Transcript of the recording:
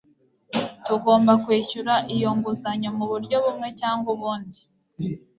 Tugomba kwishyura iyo nguzanyo muburyo bumwe cyangwa ubundi